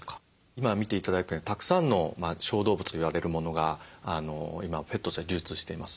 今見て頂いたようにたくさんの小動物といわれるものが今ペットとして流通しています。